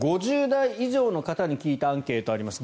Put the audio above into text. ５０代以上の方に聞いたアンケートがあります。